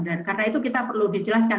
karena itu kita perlu dijelaskan